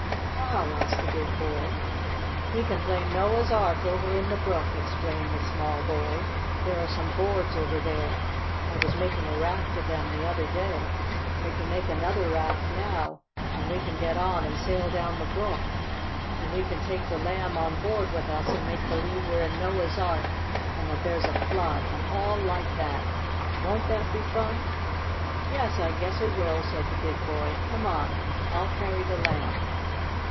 "How?" asked the big boy. "We can play Noah's Ark over in the brook," explained the small boy. "There are some boards over there. I was making a raft of them the other day. We can make another raft now, and we can get on and sail down the brook. And we can take the Lamb on board with us and make believe we're in a Noah's Ark and that there's a flood and all like that! Won't that be fun?" "Yes, I guess it will," said the big boy. "Come on! I'll carry the Lamb."